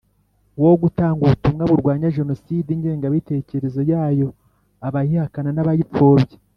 Wo gutanga ubutumwa burwanya jenoside ingengabitekerezo yayo abayihakana n abayipfobya